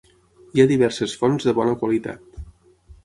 Hi ha diverses fonts de bona qualitat.